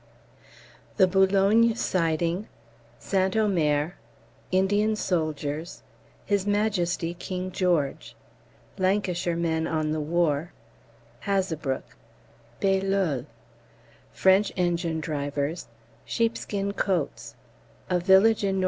_ The Boulogne siding St Omer Indian soldiers His Majesty King George Lancashire men on the War Hazebrouck Bailleul French engine drivers Sheepskin coats A village in N.E.